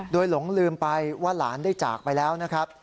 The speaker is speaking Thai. โดยหลงลืมไปว่าหลานได้จากไปแล้วนะครับ